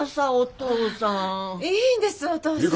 いいんやさお父さん。